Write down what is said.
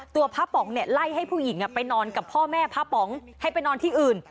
พระป๋องเนี่ยไล่ให้ผู้หญิงไปนอนกับพ่อแม่พระป๋องให้ไปนอนที่อื่น